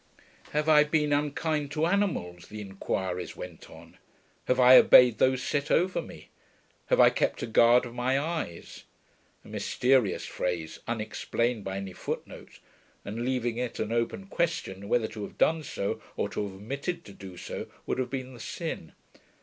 'Have I been unkind to animals?' the inquiries went on. 'Have I obeyed those set over me? Have I kept a guard of my eyes?' (a mysterious phrase, unexplained by any footnote, and leaving it an open question whether to have done so or to have omitted to do so would have been the sin.